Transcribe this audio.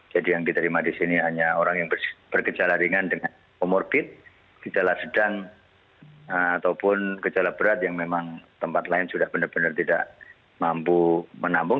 jadi yang diterima di sini hanya orang yang bergejala ringan dengan comorbid gejala sedang ataupun gejala berat yang memang tempat lain sudah benar benar tidak mampu menampung